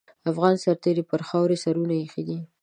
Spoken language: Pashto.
افغان سرتېرو پر خاوره سرونه اېښي دي.